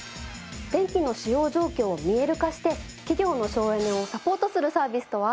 電気の使用状況を見える化して企業の省エネをサポートするサービスとは？